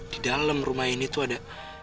di dalam rumah ini tuh ada